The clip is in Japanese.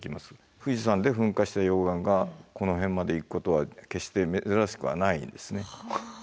富士山で噴火した溶岩がこの辺まで行くことは決して珍しくはないんですね。